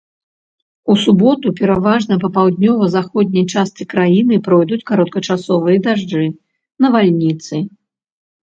У суботу пераважна па паўднёва-заходняй частцы краіны пройдуць кароткачасовыя дажджы, навальніцы.